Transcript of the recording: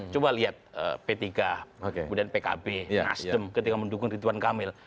coba lihat p tiga kemudian pkb nasdem ketika mendukung rituan kamil